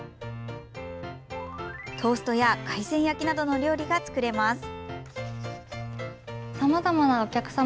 トーストや海鮮焼きなどの料理が作れます。